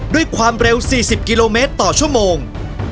ด้วยความเร็ว๔๐กิโลเมตรต่อชั่วโมง